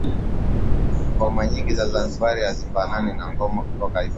Ngoma nyingi za Zanzibar hazifanani na ngoma kutoka bara